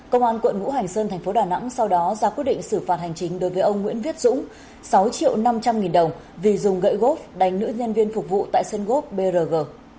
công an quận ngũ hành sơn thành phố đà nẵng sau đó ra quyết định xử phạt hành chính đối với ông nguyễn viết dũng sáu triệu năm trăm linh nghìn đồng vì dùng gậy gốp đánh nữ nhân viên phục vụ tại sân gốp brg